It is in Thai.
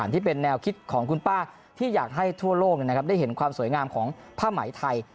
ที่เป็นแนวคิดของคุณป้าที่อยากให้ทั่วโลกได้เห็นความสวยงามของผ้าไหมไทย